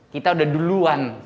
kita udah duluan